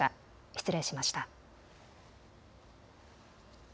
失礼しました。